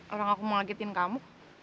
orang aku mau ngagetin kamu